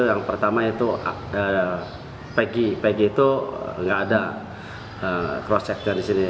yang pertama itu peggy peggy itu tidak ada cross checknya di sini